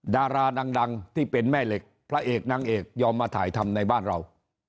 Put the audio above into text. ดาราดังที่เป็นแม่เหล็กพระเอกนางเอกยอมมาถ่ายทำในบ้านเรา